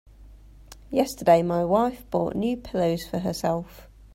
Yesterday my wife bought new pillows for herself.